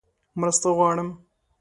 _مرسته غواړم!